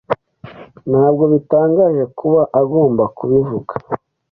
Ntabwo bitangaje kuba agomba kubivuga.